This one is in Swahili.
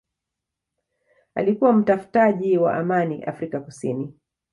alikuwa mtafutaji wa amani Afrika Kusini